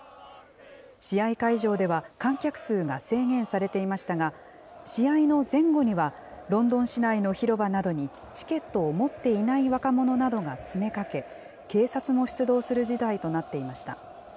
試合会場では、観客数が制限されていましたが、試合の前後には、ロンドン市内の広場などに、チケットを持っていない若者などが詰めかけ、警察も出動する事態となっていました。